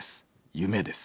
夢です。